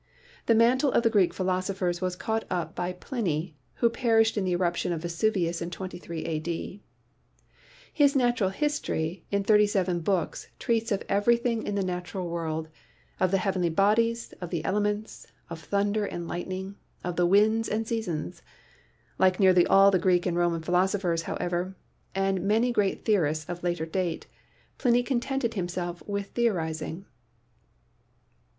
The mantle of the Greek philosophers was caught up by Pliny, who perished in the eruption of Vesuvius in 23 a.d. His Natural History in thirty seven books treats of every thing in the natural world — of the heavenly bodies, of the elements, of thunder and lightning, of the winds and sea sons. Like nearly all the Greek and Roman philosophers, however, and many great theorists of later date, Pliny con tented himself with theorizing.